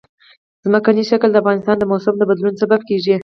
ځمکنی شکل د افغانستان د موسم د بدلون سبب کېږي.